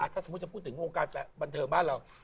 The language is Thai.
ถ้าสมมุติมันถึงโงงการบรรเทอบ้านแล้ว